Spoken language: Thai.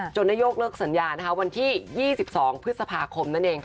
ได้ยกเลิกสัญญาวันที่๒๒พฤษภาคมนั่นเอง